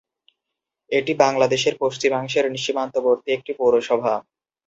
এটি বাংলাদেশের পশ্চিমাংশের সীমান্তবর্তী একটি পৌরসভা।